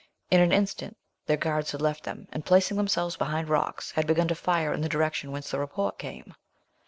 In an instant their guards had left them, and, placing themselves behind rocks, had begun to fire in the direction whence the report came.